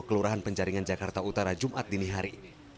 kelurahan penjaringan jakarta utara jumat dini hari